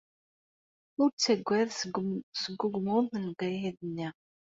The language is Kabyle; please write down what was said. Ur ttagad seg wegmuḍ n ukayad-nni.